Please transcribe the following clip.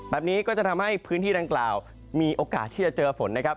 แบบนี้ก็จะทำให้พื้นที่ดังกล่าวมีโอกาสที่จะเจอฝนนะครับ